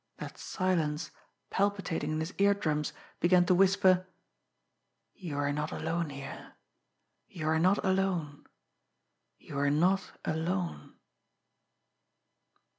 That silence, palpitating in his ear drums, began to whisper: "You are not alone here you are not alone you are not alone."